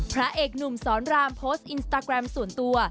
พระเอกหนุ่มสอนรามโพสต์อินสตาแกรมส่วนตัว